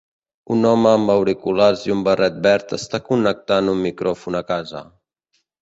Un home amb auriculars i un barret verd està connectant un micròfon a casa.